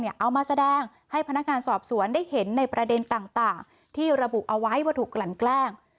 เอามาแสดงให้พนักงานสอบสวนได้เห็นในประเด็นต่างที่ระบุเอาไว้ว่าถูกกลั่นแกล้ง